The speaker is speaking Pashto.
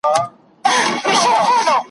ځکه چي موږ امام بدلوو مګر ایمان نه بدلوو `